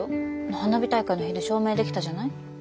花火大会の日で証明できたじゃない？